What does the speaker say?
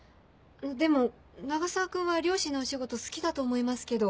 でも永沢君は漁師のお仕事好きだと思いますけど。